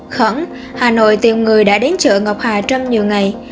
khẩn hà nội tìm người đã đến chợ ngọc hà trong nhiều ngày